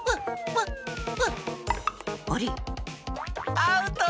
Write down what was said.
アウト！